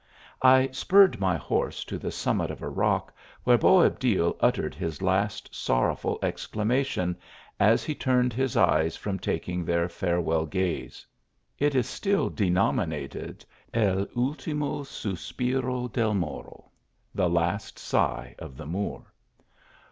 I spurred my horse to the summit of a rock, where 106 THE ALHAMBRA. Boabdil uttered his last sorrowful exclamation, as he turned his eyes from taking their farewell gaze. It is still denominated el ultimo suspiro del Moro, (the last sigh of the Moor.)